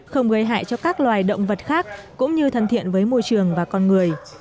không gây hại cho các loài động vật khác cũng như thân thiện với môi trường và con người